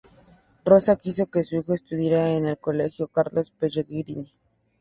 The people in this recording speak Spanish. Rosa quiso que su hijo estudiara en el Colegio Carlos Pellegrini.